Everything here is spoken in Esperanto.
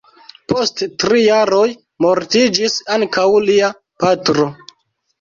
Post tri jaroj mortiĝis ankaŭ lia patro.